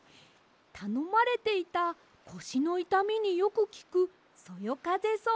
たのまれていたこしのいたみによくきくそよかぜそうのしっぷです。